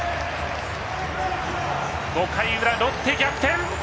５回裏、ロッテ逆転！